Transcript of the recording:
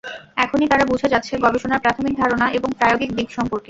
এখনই তারা বুঝে যাচ্ছে গবেষণার প্রাথমিক ধারণা এবং প্রায়োগিক দিক সম্পর্কে।